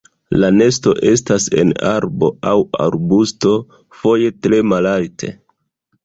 La nesto estas en arbo aŭ arbusto, foje tre malalte.